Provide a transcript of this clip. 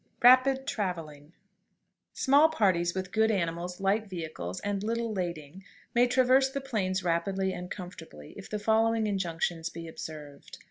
RAPID TRAVELING. Small parties with good animals, light vehicles, and little lading, may traverse the Plains rapidly and comfortably, if the following injunctions be observed.